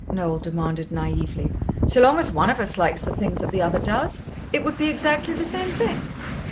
Noel demanded naïvely, "so long as one of us likes the things that the other does? It would be exactly the same thing."